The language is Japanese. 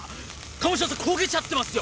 鴨志田さん焦げちゃってますよ！